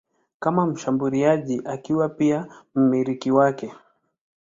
kama mshambuliaji akiwa pia mmiliki wake.